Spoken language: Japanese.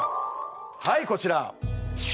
はいこちら！